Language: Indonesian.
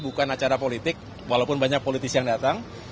bukan acara politik walaupun banyak politisi yang datang